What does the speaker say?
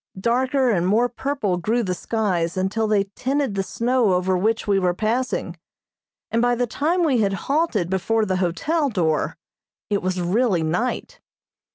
Darker and more purple grew the skies until they tinted the snow over which we were passing, and by the time we had halted before the hotel door it was really night.